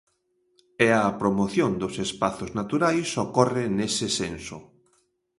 E a promoción dos espazos naturais ocorre nese senso.